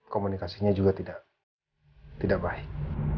komunikasinya juga tidak baik